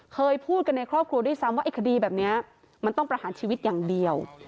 เคยพูดกันในครอบครัวด้วยซ้ำว่าไอ้คดีแบบนี้มันต้องประหารชีวิตอย่างเดียว